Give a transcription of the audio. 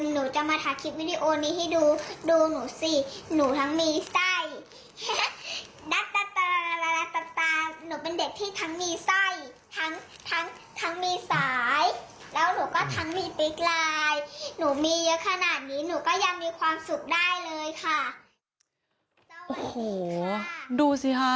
หนูจะมาถามคลิปวีดีโอนี้ให้ดูดูหนูสิหนูทั้งมีไส้